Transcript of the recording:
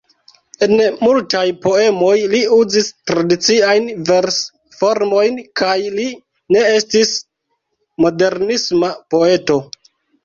En multaj poemoj li uzis tradiciajn vers-formojn kaj li ne estis modernisma poeto.